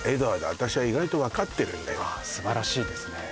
私は意外と分かってるんだよああ素晴らしいですね